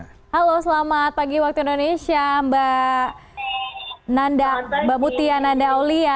halo selamat pagi waktu indonesia mbak mutia nanda oliya